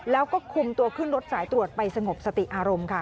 แล้วก็คุมตัวขึ้นรถสายตรวจไปสงบสติอารมณ์ค่ะ